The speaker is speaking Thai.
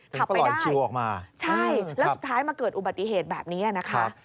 ทำไปได้ใช่แล้วสุดท้ายมาเกิดอุบัติเหตุแบบนี้นะคะ